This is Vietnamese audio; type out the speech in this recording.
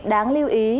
đáng lưu ý